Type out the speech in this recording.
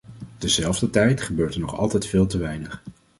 Tezelfdertijd gebeurt er nog altijd veel te weinig.